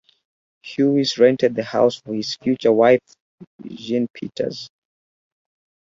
Hughes rented the house for his future wife Jean Peters.